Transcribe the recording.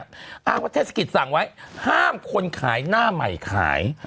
อ้างว่าเทศกิจสั่งไว้ห้ามคนขายหน้าใหม่ขาย